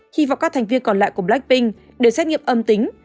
hy vọng các thành viên còn lại của blackpink để xét nghiệm âm tính